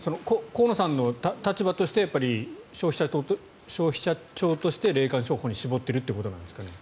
河野さんの立場として消費者庁として霊感商法に絞っているということなんですかね。